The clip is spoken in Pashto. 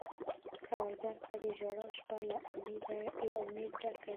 سوالګر ته د ژړا شپه له امید ډکه وي